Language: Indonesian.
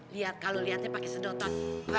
lihat kalau liatnya pake sedotan